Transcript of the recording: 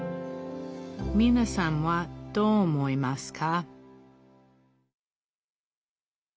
みなさんはどう思いますか？